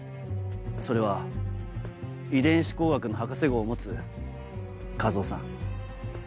それは遺伝子工学の博士号を持つ一魚さん